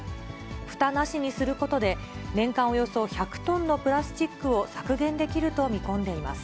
ふたなしにすることで、年間およそ１００トンのプラスチックを削減できると見込んでいます。